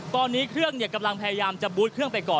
ตอนนี้เครื่องกำลังพยายามจะบูธเครื่องไปก่อน